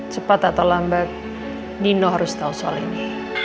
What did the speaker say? cepat atau lambat nino harus tau soal ini